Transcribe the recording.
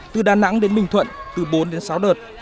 từ đà nẵng đến bình thuận từ bốn đến sáu đợt